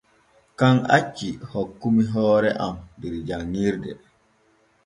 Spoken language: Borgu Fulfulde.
Kan acci hokkumi hoore am der janŋirde.